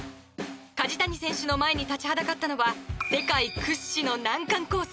梶谷選手の前に立ちはだかったのは世界屈指の難関コース